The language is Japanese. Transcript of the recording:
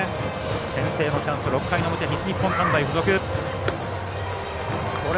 先制のチャンス、６回の表西日本短大付属。